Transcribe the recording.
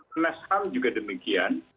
kemnas ham juga demikian